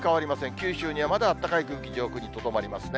九州にはまだあったかい空気、上空にとどまりますね。